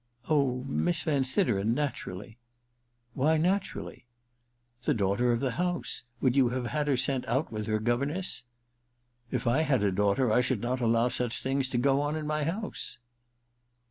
* Oh, Miss Van Sideren — naturally '* Why naturally ?* *The daughter of the house — would you have had her sent out with her governess ?'^ If I had a daughter I should not allow such things to go on in my house